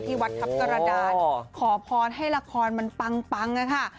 ที่วัดทัพศรดาขอพรให้ละครมันปังนะค่ะ